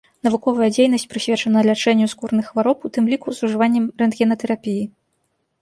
Навуковая дзейнасць прысвечана лячэнню скурных хвароб, у тым ліку з ужываннем рэнтгенатэрапіі.